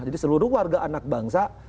jadi seluruh warga anak bangsa